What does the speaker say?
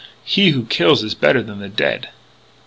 He who kills is better than the dead."